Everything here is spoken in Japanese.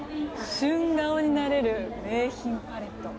旬顔になれる名品パレット。